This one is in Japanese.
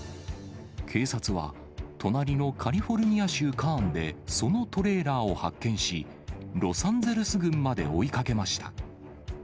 警察は、隣のカリフォルニア州カーンでそのトレーラーを発見し、ロサンゼルス郡まで追いかけました。